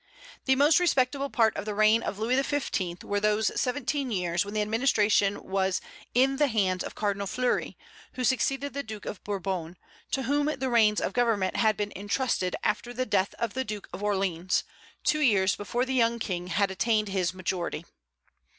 The most respectable part of the reign of Louis XV. were those seventeen years when the administration was hi the hands of Cardinal Fleury, who succeeded the Duke of Bourbon, to whom the reins of government had been intrusted after the death of the Duke of Orleans, two years before the young King had attained his majority.